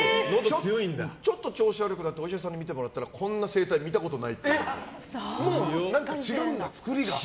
ちょっと調子悪くなってお医者さんに診てもらったらこんな声帯見たことないって言われたって。